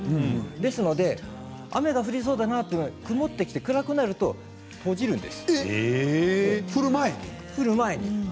ですので雨が降りそうだなというと曇ってきて降る前に閉じるんですか。